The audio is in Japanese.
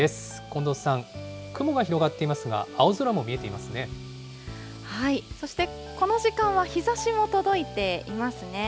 近藤さん、雲が広がっていますが、そしてこの時間は日ざしも届いていますね。